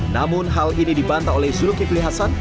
namun hal ini dibantah oleh zuluki filih hasan